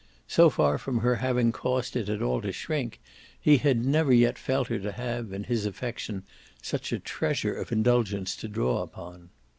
So far from her having caused it at all to shrink, he had never yet felt her to have, in his affection, such a treasure of indulgence to draw upon.